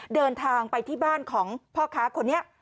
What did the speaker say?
เดินทางไปที่บ้านของพ่อค้าคนนี้